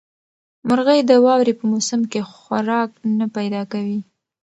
مرغۍ د واورې په موسم کې خوراک نه پیدا کوي.